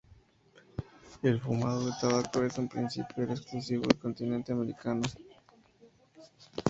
El fumado de tabaco, en un principio era exclusivo del continente americano.